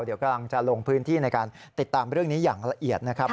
เดี๋ยวกำลังจะลงพื้นที่ในการติดตามเรื่องนี้อย่างละเอียดนะครับ